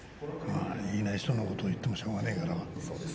いない人のことを言ってもしょうがないから。